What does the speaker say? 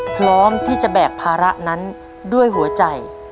พร้อมที่จะแบกภาระนั้นด้วยหัวใจ